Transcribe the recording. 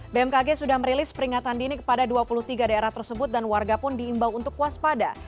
bmkg sudah merilis peringatan dini kepada dua puluh tiga daerah tersebut dan warga pun diimbau untuk waspada